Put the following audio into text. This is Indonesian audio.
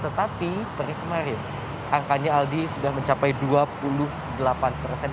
tetapi peri kemarin angkanya aldi sudah mencapai dua puluh delapan persen